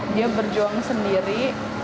dia berjuang sendiri